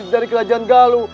dari kerajaan galau